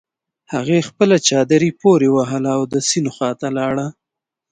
هغې خپله چادري پورې وهله او د سيند خواته لاړه.